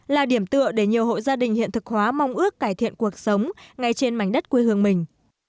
là điểm tựa để nhiều hộ gia đình hiện thực hóa mong ước cải thiện cuộc sống ngay trên mảnh đất quê hương mình